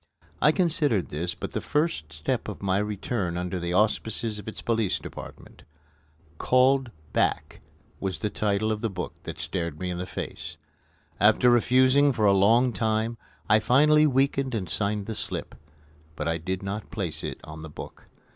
I considered this but the first step of my return under the auspices of its Police Department. "Called Back" was the title of the book that stared me in the face. After refusing for a long time I finally weakened and signed the slip; but I did not place it on the book.